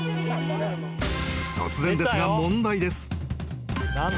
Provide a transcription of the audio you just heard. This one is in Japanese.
［突然ですが問題です］